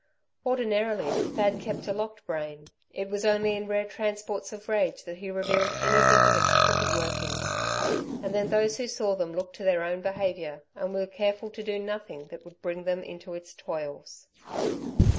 Ordinarily, Thad kept a locked brain; it was only in rare transports of rage that he revealed anything of its crooked workings. And then those who saw them looked to their own behaviour, and were careful to do nothing that would bring them into its toils.